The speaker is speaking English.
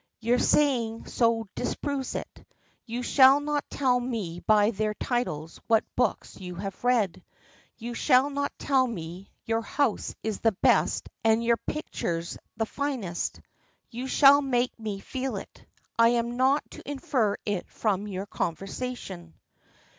Your saying so disproves it. You shall not tell me by their titles what books you have read. You shall not tell me your house is the best and your pictures the finest. You shall make me feel it. I am not to infer it from your conversation.